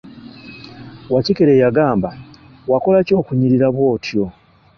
Wakikere yagamba, wakola ki okunyirira bw'otyo?